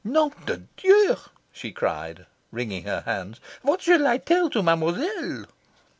"Nom de Dieu," she cried, wringing her hands, "what shall I tell to Mademoiselle?"